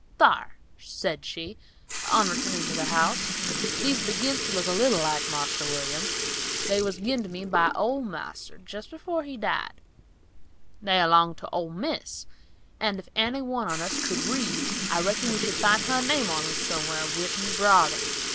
"Thar," said she, on returning to the house, "these begins to look a little like Marster William. They was gin to me by old marster, jest afore he died. They 'longed to old Miss, and if any one on us could read, I reckon we should find her name on 'em somewhar writ in brawdery."